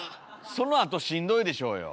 そのあとしんどいでしょうよ。